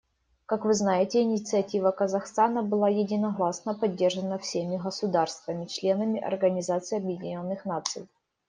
Как вы знаете, инициатива Казахстана была единогласно поддержана всеми государствами — членами Организации Объединенных Наций.